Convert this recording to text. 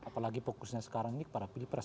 apalagi fokusnya sekarang ini kepada pilih press